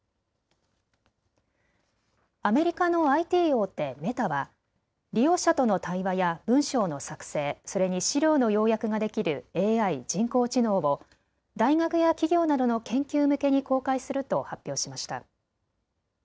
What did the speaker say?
アメリカのＩＴ大手、メタは利用者との対話や文章の作成、それに資料の要約ができるＡＩ・人工知能を大学や企業などの研究向けに公開すると発表しました。